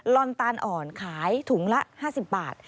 อนตาลอ่อนขายถุงละ๕๐บาท